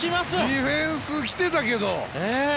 ディフェンス来てたけど。